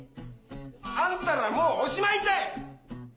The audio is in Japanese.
あんたらもうおしまいたい！